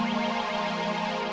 mau dia mati